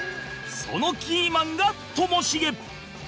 そのキーマンがともしげ